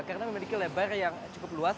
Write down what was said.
karena memiliki lebar yang cukup luas